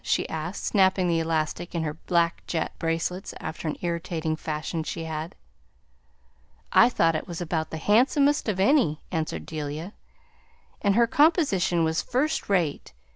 she asked, snapping the elastic in her black jet bracelets after an irritating fashion she had. "I thought it was about the handsomest of any," answered Delia; "and her composition was first rate.